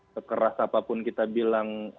kekeras apapun kita bilang